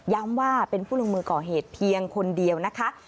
ว่าเป็นผู้ลงมือก่อเหตุเพียงคนเดียวนะคะ